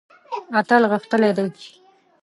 اتل غښتلی دی.